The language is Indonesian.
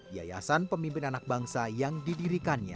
yayasan pemimpin anak bangsa yang didirikannya